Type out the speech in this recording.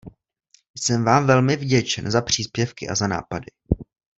Jsem vám velmi vděčen za příspěvky a za nápady.